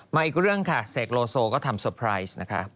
อีกเรื่องค่ะเสกโลโซก็ทำเตอร์ไพรส์นะคะ